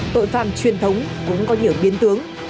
tội phạm truyền thống cũng có nhiều biến tướng